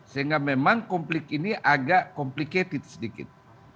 sehingga memang konflik ini agak complicated sedikit